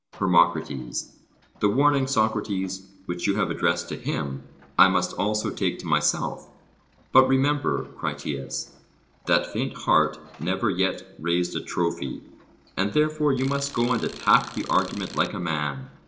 HERMOCRATES: The warning, Socrates, which you have addressed to him, I must also take to myself. But remember, Critias, that faint heart never yet raised a trophy; and therefore you must go and attack the argument like a man.